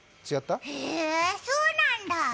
へえ、そうなんだ。